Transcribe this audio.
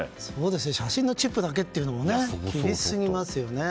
写真のチップだけというのも厳しすぎますよね。